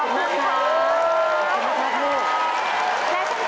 ขอบคุณมากลูก